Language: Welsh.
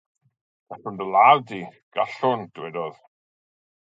“Gallwn dy ladd di, Gallwn!” dywedodd.